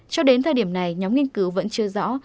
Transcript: cho đến thời điểm này nhóm nghiên cứu vẫn chưa ra thông báo